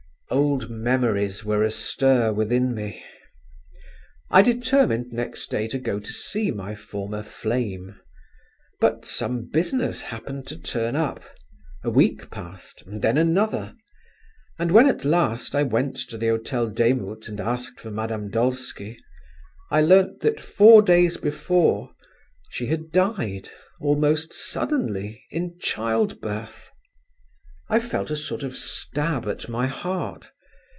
Old memories were astir within me…. I determined next day to go to see my former "flame." But some business happened to turn up; a week passed, and then another, and when at last I went to the Hotel Demut and asked for Madame Dolsky, I learnt that four days before, she had died, almost suddenly, in childbirth. I felt a sort of stab at my heart.